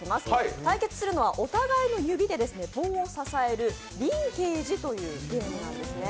対決するのはお互いの指で棒を支える、リンケージというゲームなんですね。